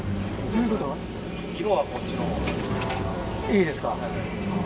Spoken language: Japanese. いいですか。